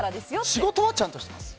仕事はちゃんとしてます。